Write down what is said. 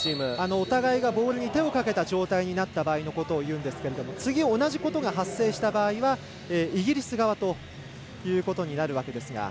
お互いがボールに手をかけた状態になったことをいうんですけど次、同じことが発生した場合はイギリス側ということになるわけですが。